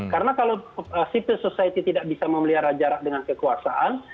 karena kalau civil society tidak bisa memelihara jarak dengan kekuasaan